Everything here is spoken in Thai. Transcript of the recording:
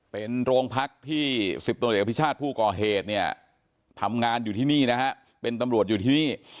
เป็นโรงพักที่๑๐ตำรวจเอกอภิชาติผู้ก่อเหตุเนี่ยทำงานอยู่ที่นี่นะฮะเป็นตำรวจอยู่ที่นี่